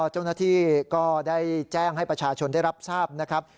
เจ้าหน้าที่ก็ได้แจ้งให้ประชาชนได้รับทราบนะครับ